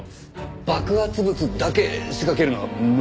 爆発物だけ仕掛けるのは無理ですかね？